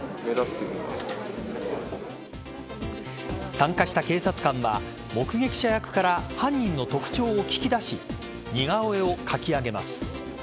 参加した警察官は目撃者役から犯人の特徴を聞き出し似顔絵を描き上げます。